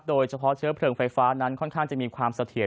โดยเฉพาะเชื้อเพลิงไฟฟ้านั้นค่อนข้างจะมีความเสถียร